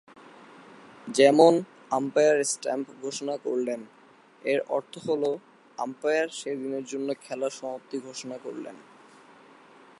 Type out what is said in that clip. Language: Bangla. যেমনঃ আম্পায়ার স্ট্যাম্প ঘোষণা করলেন, এর অর্থ হল- আম্পায়ার সেদিনের জন্য খেলার সমাপ্তি ঘোষণা করলেন।